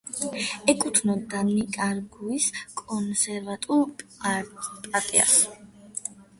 ეკუთვნოდა ნიკარაგუის კონსერვატულ პარტიას.